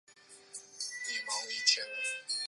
法网则在八强败给特松加。